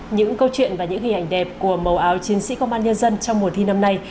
những câu chuyện và những hình ảnh đẹp của màu áo chiến sĩ công an nhân dân trong mùa thi năm nay